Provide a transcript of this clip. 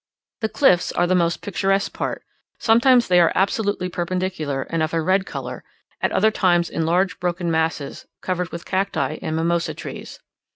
The cliffs are the most picturesque part; sometimes they are absolutely perpendicular, and of a red colour; at other times in large broken masses, covered with cacti and mimosa trees.